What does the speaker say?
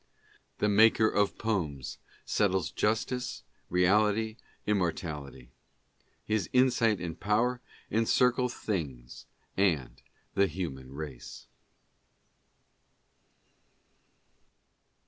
" The maker of poems settles justice, reality, immortality, His insight and power encircle things and the human race."